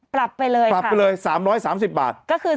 ปรับไปเลย๓๓๐บาท